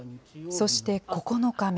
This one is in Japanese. そして９日目。